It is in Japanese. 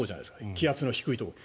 気圧の低いところ。